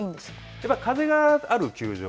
やっぱり風がある球場。